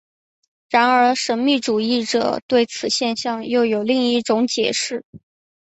然而神秘主义者对此现象又有另一种解释。